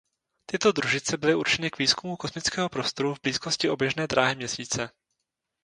Tyto družice byly určeny k výzkumu kosmického prostoru v blízkosti oběžné dráhy měsíce.